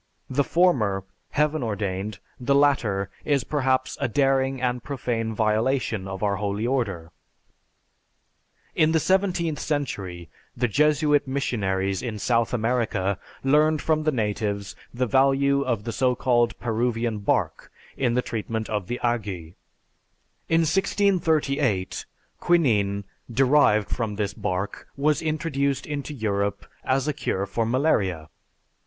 The former, heaven ordained, the latter is perhaps a daring and profane violation of our holy order." In the seventeenth century, the Jesuit missionaries in South America learned from the natives the value of the so called Peruvian Bark in the treatment of ague. In 1638, quinine, derived from this bark, was introduced into Europe as a cure for malaria.